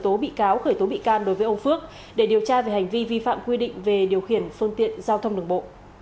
cơ quan cảnh sát điều tra công an tp đồng xoài đã khởi tố bị cáo đối với ông phước để điều tra về hành vi vi phạm quy định về điều khiển phương tiện giao thông đường bộ